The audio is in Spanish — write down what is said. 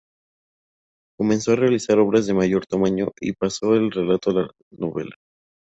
Comenzó a realizar obras de mayor tamaño y pasó del relato a la novela.